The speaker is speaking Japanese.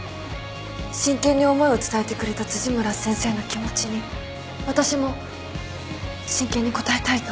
真剣に思いを伝えてくれた辻村先生の気持ちに私も真剣に応えたいと思っています。